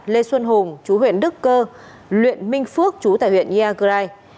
lê xuân hùng chú huyện đức cơ luyện minh phước chú tại huyện nha grai